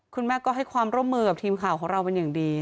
คุณแม่ก็ให้ความร่วมมือกับทีมข่าวของเราเป็นอย่างดี